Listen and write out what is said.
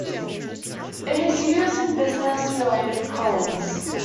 It is used in business-related columns.